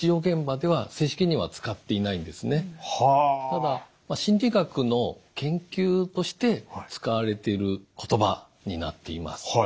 ただ心理学の研究として使われている言葉になっています。